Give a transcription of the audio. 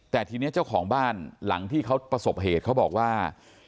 แต่ทีนี้เจ้าของบ้านหลังที่เขาประสบเหตุเขาบอกว่า